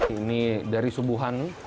ini dari subuhan